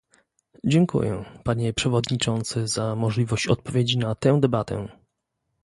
Dziękuję, panie przewodniczący, za możliwość odpowiedzi na tę debatę